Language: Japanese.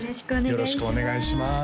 よろしくお願いします